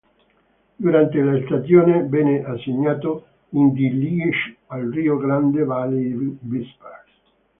Durante la stagione venne assegnato in D-League ai Rio Grande Valley Vipers.